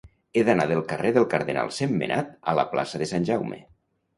He d'anar del carrer del Cardenal Sentmenat a la plaça de Sant Jaume.